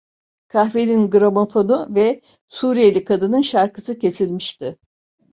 Kahvenin gramofonu ve Suriyeli kadının şarkısı kesilmişti.